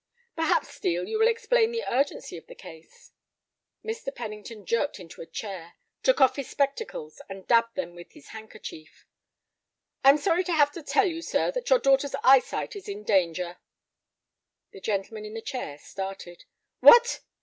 "Perhaps, Steel, you will explain the urgency of the case." Mr. Pennington jerked into a chair, took off his spectacles and dabbed them with his handkerchief. "I am sorry to have to tell you, sir, that your daughter's eyesight is in danger." The gentleman in the chair started. "What!